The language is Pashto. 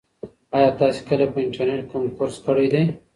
ایا تاسي کله په انټرنيټ کې کوم کورس کړی دی؟